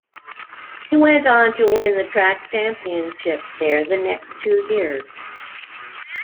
He went on to win the track championship there the next two years.